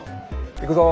行くぞ。